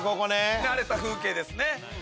見慣れた風景ですね。